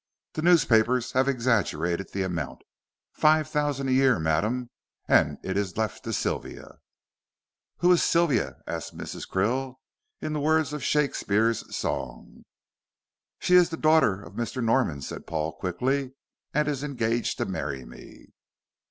"The newspapers have exaggerated the amount. Five thousand a year, madam, and it is left to Sylvia." "Who is Sylvia?" asked Mrs. Krill, in the words of Shakespeare's song. "She is the daughter of Mr. Norman," said Paul, quickly, "and is engaged to marry me."